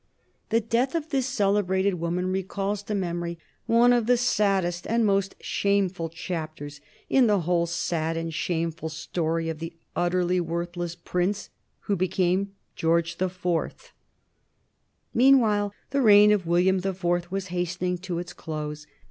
The death of this celebrated woman recalls to memory one of the saddest and most shameful chapters in the whole sad and shameful story of the utterly worthless Prince who became George the Fourth. [Sidenote: 1756 1837 Illness of William the Fourth] Meanwhile the reign of William the Fourth was hastening to its close.